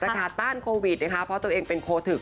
ราคาต้านโควิดเพราะตัวเองเป็นโคถึก